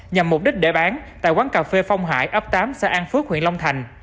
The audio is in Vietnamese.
nhằm mục đích để bán tại quán cà phê phong hải ấp tám xã an phước huyện long thành